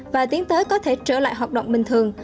và tiến tới có thể trở lại hoạt động bình thường